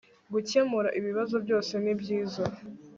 gukemura ibibazo byose nibyiza